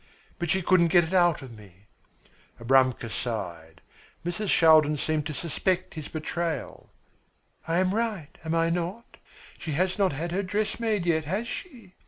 But she couldn't get it out of me." Abramka sighed. Mrs. Shaldin seemed to suspect his betrayal. "I am right, am I not? She has not had her dress made yet, has she?